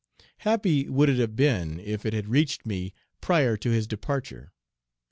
Happy would it have been if it had reached me prior to his departure!